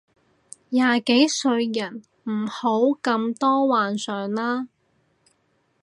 幾廿歲人唔好咁多幻想啦